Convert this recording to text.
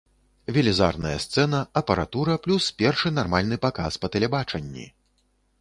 Велізарная сцэна, апаратура, плюс першы нармальны паказ па тэлебачанні.